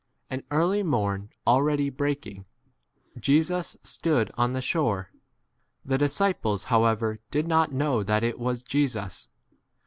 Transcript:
And early morn already breaking," Jesus stood on the shore ; the disciples however did not know that it was v 5 Jesus.